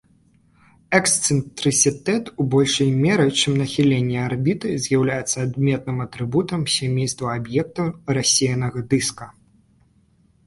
Эксцэнтрысітэт у большай меры, чым нахіленне арбіты, з'яўляецца адметным атрыбутам сямейства аб'ектаў рассеянага дыска.